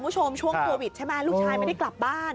ฉ่วงตัววิทย์เป็นไไมลูกชายไม่ได้กลับบ้าน